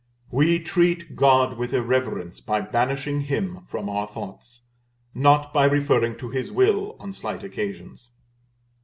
We treat God with irreverence by banishing Him from our thoughts, not by referring to His will on slight occasions.